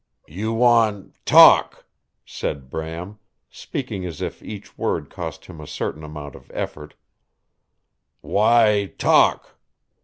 "You want talk," said Bram, speaking as if each word cost him a certain amount of effort. "Why talk?"